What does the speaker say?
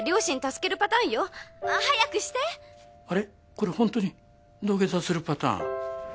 これホントに土下座するパターン？